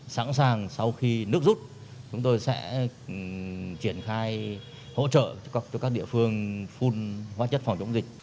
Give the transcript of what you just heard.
sẵn sàng sau khi nước rút chúng tôi sẽ triển khai hỗ trợ cho các địa phương phun hóa chất phòng chống dịch